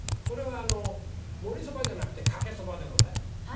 これはもりそばじゃなくてかけそばでございます。